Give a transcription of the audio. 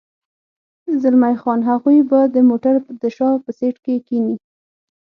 زلمی خان: هغوی به د موټر د شا په سېټ کې کېني.